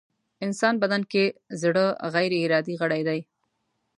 انسان بدن کې زړه غيري ارادې غړی دی.